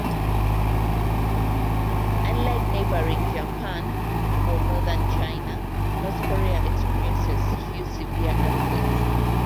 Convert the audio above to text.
Unlike neighboring Japan or northern China, North Korea experiences few severe earthquakes.